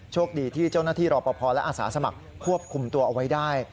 โชคดีที่เจ้าหน้าที่รอปภและอาสาสมัครควบคุมตัวเอาไว้ได้